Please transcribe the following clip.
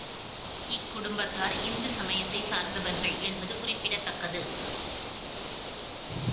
இக்குடும்பத்தார் இந்து சமயத்தைச் சார்ந்தவர்கள் என்பது குறிப்பிடத்தக்கது.